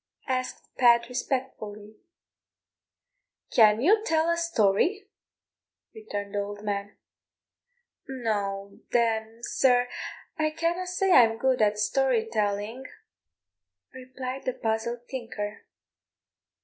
asked Pat respectfully. "Can you tell a story?" returned the old man. "No, then, sir, I canna say I'm good at story telling," replied the puzzled tinker.